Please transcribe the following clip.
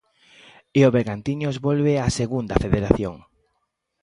E o Bergantiños volve á Segunda Federación.